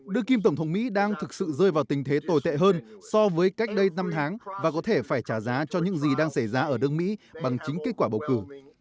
đương kim tổng thống mỹ đang thực sự rơi vào tình thế tồi tệ hơn so với cách đây năm tháng và có thể phải trả giá cho những gì đang xảy ra ở đương mỹ bằng chính kết quả bầu cử